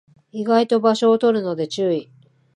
意外と場所を取るので注意